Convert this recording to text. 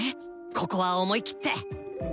ここは思い切って。